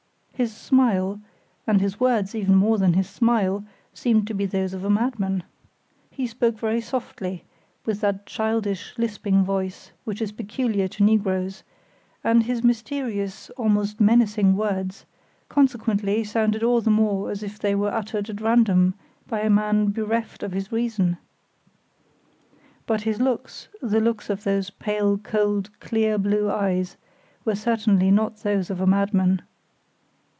His smile, and his words, even more than his smile, seemed to be those of a madman. He spoke very softly, with that childish, lisping voice, which is peculiar to negroes, and his mysterious, almost menacing words, consequently, sounded all the more as if they were uttered at random by a man bereft of his reason. But his looks, the looks of those pale, cold, clear, blue eyes, were certainly not those of a madman.